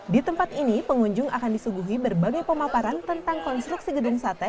di tempat ini pengunjung akan disuguhi berbagai pemaparan tentang konstruksi gedung sate